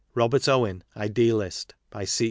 Robert Owen, Idealist. By C.